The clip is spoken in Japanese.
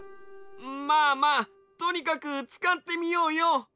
まあまあとにかくつかってみようよ。